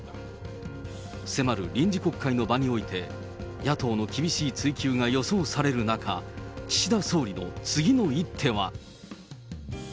迫る臨時国会の場において、野党の厳しい追及が予想される中、岸田総理の次の一手は。